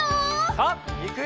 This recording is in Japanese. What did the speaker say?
さあいくよ！